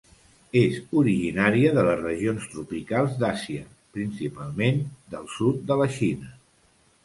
És originària de les regions tropicals d'Àsia, principalment del sud de la Xina.